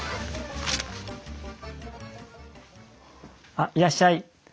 あっいらっしゃい。